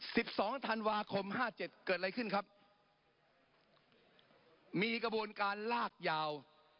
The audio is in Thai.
สิบสองธันวาคมห้าเจ็ดเกิดอะไรขึ้นครับมีกระบวนการลากยาว